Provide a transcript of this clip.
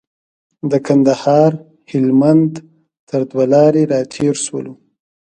د کندهار هلمند تر دوه لارې راتېر شولو.